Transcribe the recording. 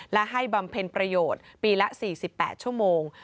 และให้บำเพ็ญประโยชน์ปีละ๔๘ชั่วโมง